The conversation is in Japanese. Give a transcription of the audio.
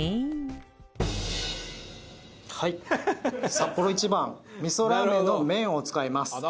はいサッポロ一番みそラーメンの麺を使います。